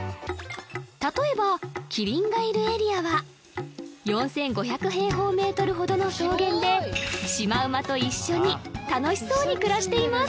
例えばキリンがいるエリアは４５００平方メートルほどの草原でシマウマと一緒に楽しそうに暮らしています